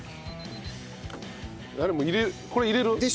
これ入れる？